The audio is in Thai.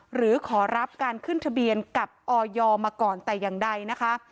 หรือขอรับการขึ้นทะเบียนกับออยมาก่อนแต่อย่างใดนะคะ